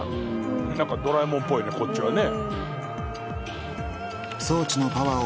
何か『ドラえもん』っぽいねこっちはね。